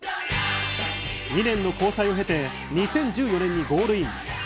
２年の交際を経て、２０１４年にゴールイン。